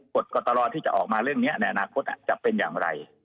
กฎกตรที่จะออกมาเรื่องนี้ในอนาคตจะเป็นอย่างไร